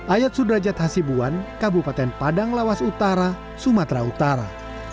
ayat sudrajat hasibuan kabupaten padang lawas utara sumatera utara